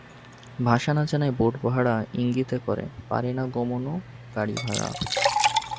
ভাষা না জানায় বোটভাড়া ইঙ্গিতে করে পারে গমন ও গাড়ী ভাড়া।